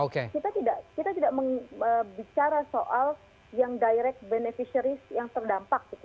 kita tidak bicara soal yang direct beneficiary yang terdampak